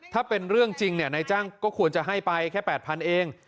ถ้าเป็นเรื่องจริงนายจ้างก็ควรจะให้ไปแค่๘๐๐๐เอง